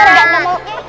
eh iblis yaudah